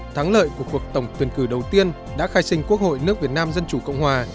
thắng lợi của cuộc tổng tuyển cử đầu tiên đã khai sinh quốc hội nước việt nam dân chủ cộng hòa